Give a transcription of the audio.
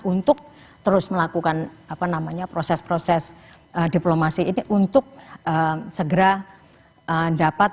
untuk terus melakukan proses proses diplomasi ini untuk segera dapat